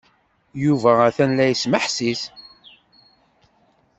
Yuba atan la yesmeḥsis.